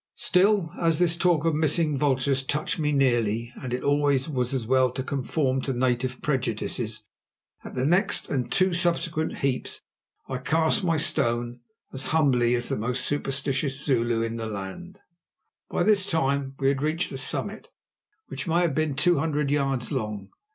Still, as this talk of missing vultures touched me nearly, and it is always as well to conform to native prejudices, at the next and two subsequent heaps I cast my stone as humbly as the most superstitious Zulu in the land. By this time we had reached the summit, which may have been two hundred yards long.